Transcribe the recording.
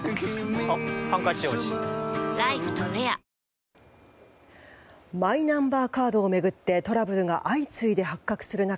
ニトリマイナンバーカードを巡ってトラブルが相次いで発覚する中